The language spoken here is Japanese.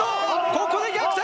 ここで逆転！